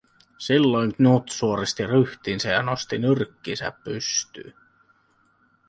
Silloin Knut suoristi ryhtinsä ja nosti nyrkkinsä pystyyn.